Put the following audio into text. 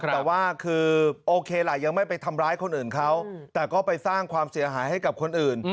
แต่ว่าคือโอเคล่ะยังไม่ไปทำร้ายคนอื่นเขาแต่ก็ไปสร้างความเสียหายให้กับคนอื่น